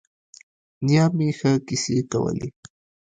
نیا مې ښه کیسې کولې.